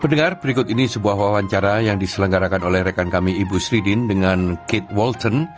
pendengar berikut ini sebuah wawancara yang diselenggarakan oleh rekan kami ibu sridin dengan kate walton